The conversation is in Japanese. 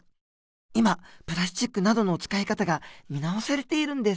今プラスチックなどの使い方が見直されているんです。